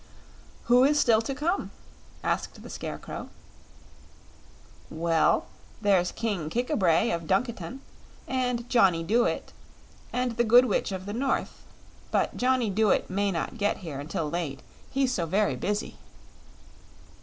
"Who is still to come?" asked the Scarecrow. "Well, there's King Kik a bray of Dunkiton, and Johnny Dooit, and the Good Witch of the North. But Johnny Dooit may not get here until late, he's so very busy."